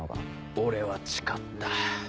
俺は誓った。